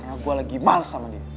karena gue lagi males sama dia